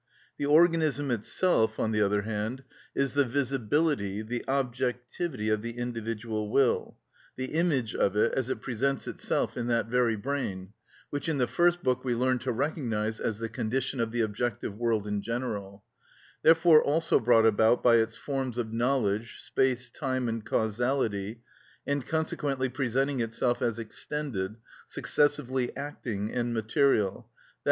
The organism itself, on the other hand, is the visibility, the objectivity, of the individual will, the image of it as it presents itself in that very brain (which in the first book we learned to recognise as the condition of the objective world in general), therefore also brought about by its forms of knowledge, space, time, and causality, and consequently presenting itself as extended, successively acting, and material, _i.